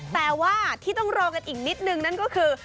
แต่ว่าที่ต้องรอกันอีกนิดนึงนั่นก็คือ